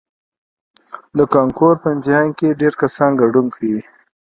او ماپه خپل تخیل کی ددې د پاره را پیدا کړی دی